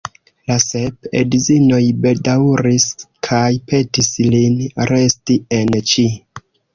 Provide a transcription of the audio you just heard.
La sep edzinoj bedaŭris kaj petis lin resti en Ĉi.